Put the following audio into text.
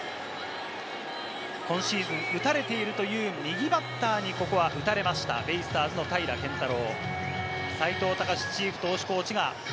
今シーズン、打たれているという右バッターに、ここで打たれました、ベイスターズの平良拳太郎。